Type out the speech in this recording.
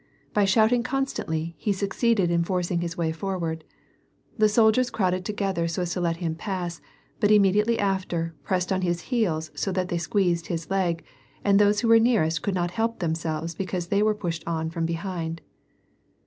By shouting constantly, he succeeded in forcing his way forward. The soldiers crowded together so as to let him pass, but immedi ately after, pressed on his heels so that they squeezed his leg, and those who were nearest could not help themselves because they were pushed on from behind.